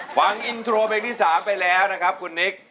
ฟังอินโทรเพลงที่๓ไปแล้วนะครับคุณนิก